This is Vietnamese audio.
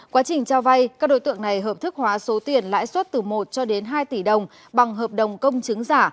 quá trình cho vay các đối tượng này hợp thức hóa số tiền lãi suất từ một cho đến hai tỷ đồng bằng hợp đồng công chứng giả